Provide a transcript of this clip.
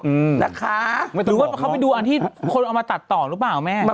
หรือว่าเขาไปดูคนเอามาตัดต่อหรือเปล่าแม่